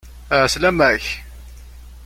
Ɛeslama-k!